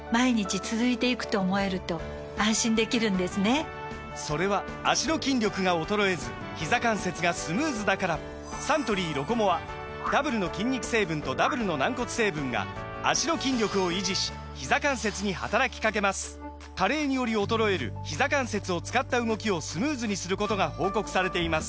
サントリー「ロコモア」・それは脚の筋力が衰えずひざ関節がスムーズだからサントリー「ロコモア」ダブルの筋肉成分とダブルの軟骨成分が脚の筋力を維持しひざ関節に働きかけます加齢により衰えるひざ関節を使った動きをスムーズにすることが報告されています